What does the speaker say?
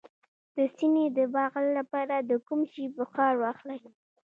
د سینې د بغل لپاره د کوم شي بخار واخلئ؟